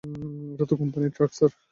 এটাতো কোম্পানির truck sir.